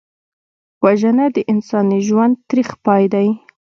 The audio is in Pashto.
وژنه د انساني ژوند تریخ پای دی